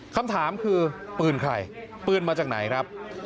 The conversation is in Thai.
คำถามคือปืนใครปืนมาจากไหนครับ